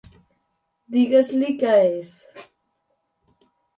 Digues-li què és.